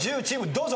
どうぞ。